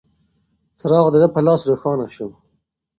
څراغ د ده په لاس روښانه شو.